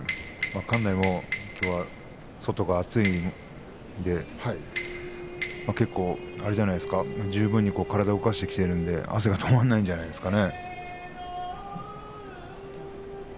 館内もきょうは外が暑いので結構、あれじゃないですか十分、体を動かしてきているので汗が止まらないんじゃないですか。